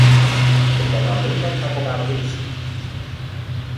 Και για να μην τον κακοκαρδίσει